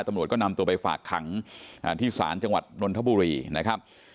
ตำรวจก็นำตัวไปฝากขังที่ศาลจังหวัดนนทบุรีนะครับ